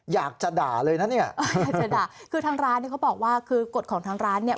อยากจะด่าเลยนะเนี่ยอยากจะด่าคือทางร้านเนี่ยเขาบอกว่าคือกฎของทางร้านเนี่ย